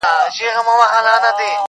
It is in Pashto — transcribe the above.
دا نور وزېږي- زلمي سي- بیا زاړه سي-